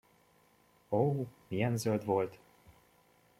Ó, milyen zöld volt!